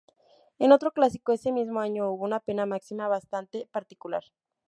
En otro clásico ese mismo año hubo una pena máxima bastante particular.